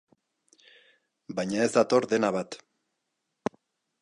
Baina ez dator dena bat.